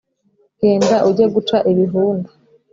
genda ujye guca ibihunda,